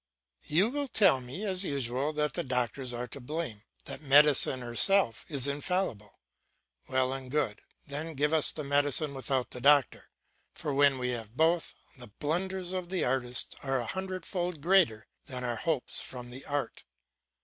You will tell me, as usual, that the doctors are to blame, that medicine herself is infallible. Well and good, then give us the medicine without the doctor, for when we have both, the blunders of the artist are a hundredfold greater than our hopes from the art.